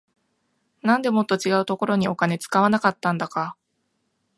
なんでもっと違うところにお金使わなかったんだか